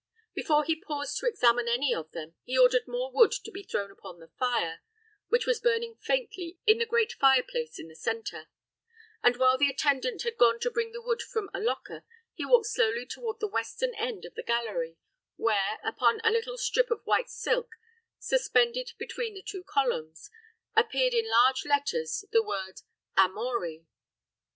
Before he paused to examine any of them, he ordered more wood to be thrown upon the fire, which was burning faintly in the great fire place in the centre; and while the attendant had gone to bring the wood from a locker, he walked slowly toward the western end of the gallery, where, upon a little strip of white silk, suspended between the two columns, appeared in large letters the word "AMORI."